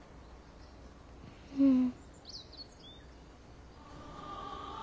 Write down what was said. うん。